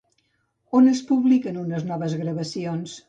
On es publiquen unes noves gravacions?